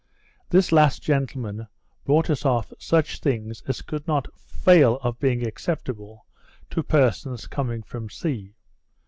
This last gentleman brought us off such things as could not fail of being acceptable to persons coming from sea.